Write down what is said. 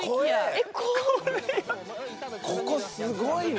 ここすごいな。